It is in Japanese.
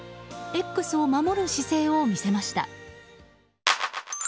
Ｘを守る姿勢を見せました。